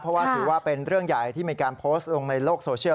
เพราะว่าถือว่าเป็นเรื่องใหญ่ที่มีการโพสต์ลงในโลกโซเชียล